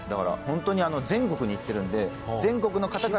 本当に全国に行ってるんで。